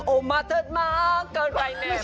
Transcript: โอมะทัดหน้าเปิดไปแหมมาก